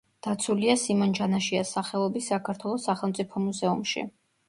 დაცულია სიმონ ჯანაშიას სახელობის საქართველოს სახელმწიფო მუზეუმში.